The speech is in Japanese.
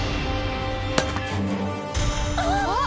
ああ。